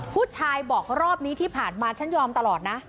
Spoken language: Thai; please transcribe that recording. ผู้ชายบอกรอบนี้ที่ผ่านมาฉันยอมตลอดนะ